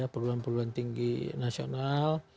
perluan perluan tinggi nasional